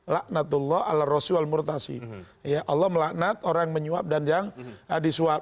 ya allah melaknat orang yang menyuap dan yang disuap